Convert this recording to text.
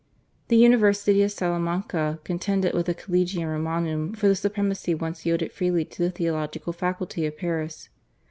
The University of Salamanca contended with the /Collegium Romanum/ for the supremacy once yielded freely to the theological faculty of Paris.